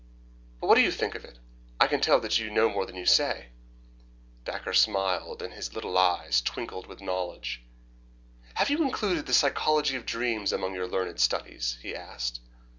But what do you think of it? I can tell that you know more than you say." Dacre smiled, and his little eyes twinkled with knowledge. "Have you included the psychology of dreams among your learned studies?" he asked.